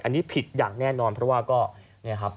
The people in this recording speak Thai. อันนี้ผิดอย่างแน่นอนเพราะว่าก็